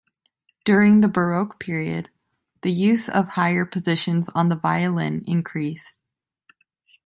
During the Baroque period, the use of higher positions on the violin increased.